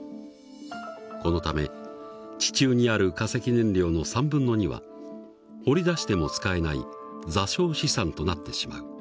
このため地中にある化石燃料の３分の２は掘り出しても使えない座礁資産となってしまう。